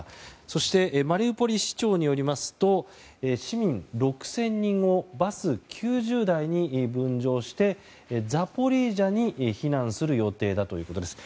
そしてマリウポリ市長によりますと市民６０００人をバス９０台に分乗してザポリージャに避難する予定だということです。